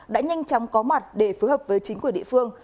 đã nhanh chóng có mặt để phối hợp với chính quyền địa phương